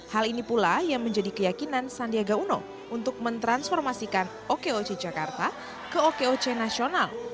hal ini pula yang menjadi keyakinan sandiaga uno untuk mentransformasikan okoc jakarta ke okoc nasional